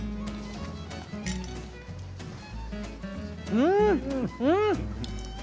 うん、うん！